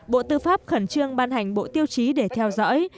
bộ tư pháp khẩn trương ban hành bộ tiêu chí để theo dõi